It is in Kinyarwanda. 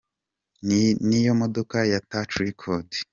Iyi niyo modoka ya Touch record.